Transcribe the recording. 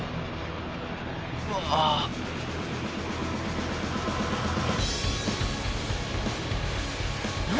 うわあ。何？